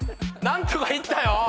何とかいったよ。